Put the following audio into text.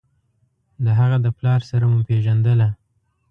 د هغه د پلار سره مو پېژندله.